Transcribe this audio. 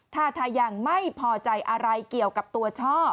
ท่าทางไม่พอใจอะไรเกี่ยวกับตัวช่อ